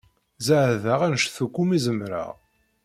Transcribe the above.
Zeɛḍeɣ anect akk umi zemreɣ.